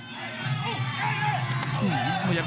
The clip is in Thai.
พยายามจะดักด้วยหุบซ้ายนี้ครับแล้วก็เกี่ยวไถล้ล้มลงไปครับ